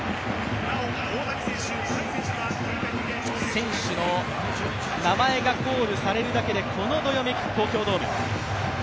選手の名前がコールされるだけでこのどよめき、東京ドーム。